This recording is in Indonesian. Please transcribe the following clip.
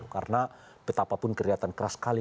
karena betapapun kelihatan keras sekali